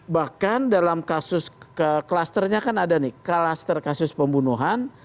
bahkan dalam kasus klasternya kan ada nih klaster kasus pembunuhan